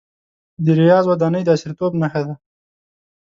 د ریاض ودانۍ د عصریتوب نښه ده.